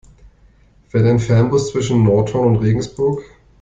Fährt ein Fernbus zwischen Nordhorn und Regensburg?